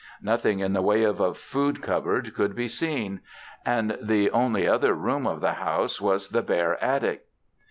Nothing in the way of a food cupboard could be seen. And the only other room of the house was the bare attic.